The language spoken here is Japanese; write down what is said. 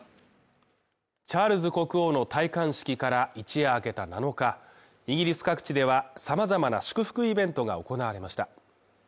チャールズ国王の戴冠式から一夜明けた７日イギリス各地では様々な祝福イベントが行われました。